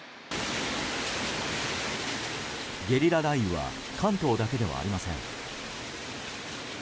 ゲリラ雷雨は関東だけではありません。